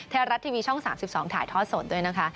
ไทยรัฐทีวีช่อง๓๒ถ่ายทอดสดด้วยนะคะ